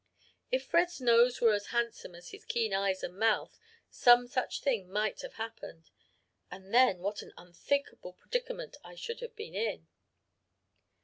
If Fred's nose were as handsome as his eyes and mouth some such thing might have happened. And then what an unthinkable predicament I should have been in!